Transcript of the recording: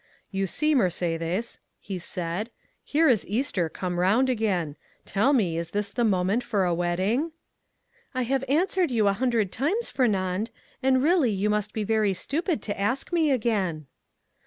"You see, Mercédès," said the young man, "here is Easter come round again; tell me, is this the moment for a wedding?" "I have answered you a hundred times, Fernand, and really you must be very stupid to ask me again."